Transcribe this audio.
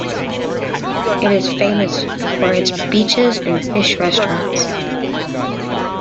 It is famous for its beaches and fish restaurants.